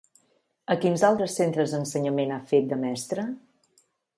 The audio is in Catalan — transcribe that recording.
A quins altres centres d'ensenyament ha fet de mestra?